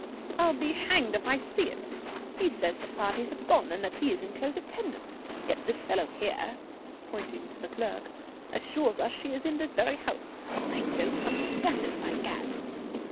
"I'll be hanged if I see it! He says the parties have gone, and that he is in close attendance; yet this fellow here," pointing to the clerk, "assures us she is in this very house. I don't understand it, by Gad!"